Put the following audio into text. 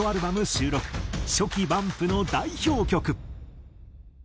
収録初期ＢＵＭＰの代表曲。